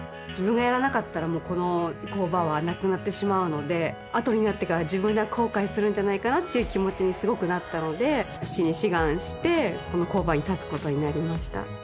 自分がやらなかったらもうこの工場はなくなってしまうので後になってから自分が後悔するんじゃないかなっていう気持ちにすごくなったので父に志願してこの工場に立つことになりました